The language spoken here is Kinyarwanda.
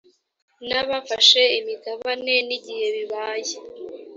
n abafashe imigabane n igihe bibaye